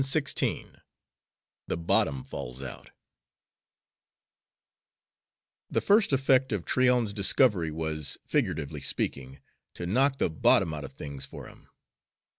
XVI THE BOTTOM FALLS OUT The first effect of Tryon's discovery was, figuratively speaking, to knock the bottom out of things for him.